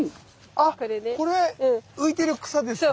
あこれ浮いてる草ですか？